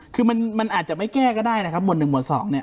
คือมันอาจจะไม่แก้ก็ได้นะครับหมวด๑หวด๒เนี่ย